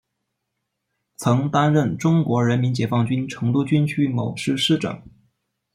曾担任中国人民解放军成都军区某师师长。